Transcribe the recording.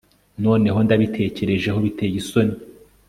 Noneho ndabitekerejeho biteye isoni